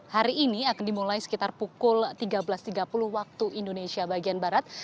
hari ini akan dimulai sekitar pukul tiga belas tiga puluh waktu indonesia bagian barat